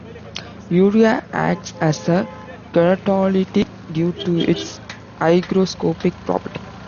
Urea acts as a keratolytic due to its hygroscopic property.